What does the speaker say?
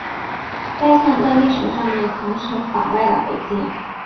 该线在历史上也曾是法外的北界。